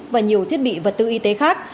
và nhiều thiết bị vật tư y tế khác